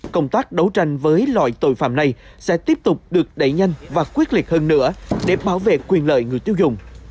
công tác đấu tranh với loại tội phạm này sẽ tiếp tục được đẩy nhanh và quyết liệt hơn nữa để bảo vệ quyền lợi người tiêu dùng